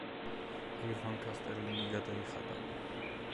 გირვანქა სტერლინგი გადაიხადა.